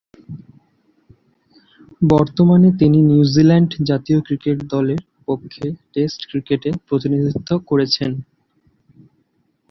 বর্তমানে তিনি নিউজিল্যান্ড জাতীয় ক্রিকেট দলের পক্ষে টেস্ট ক্রিকেটে প্রতিনিধিত্ব করছেন।